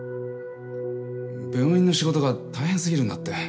病院の仕事が大変過ぎるんだって。